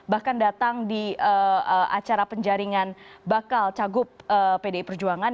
bahkan datang di acara penjaringan bakal cagup pdi perjuangan